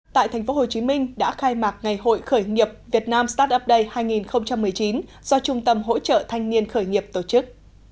tại tp hcm đã khai mạc ngày hội khởi nghiệp việt nam startup day hai nghìn một mươi chín do trung tâm hỗ trợ thanh niên khởi nghiệp tổ chức